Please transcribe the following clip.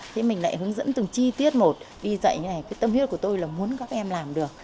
thế mình lại hướng dẫn từng chi tiết một đi dạy như thế này cái tâm huyết của tôi là muốn các em làm được